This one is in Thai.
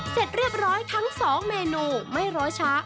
เสร็จเรียบร้อยทั้ง๒เมนูไม่โรช้า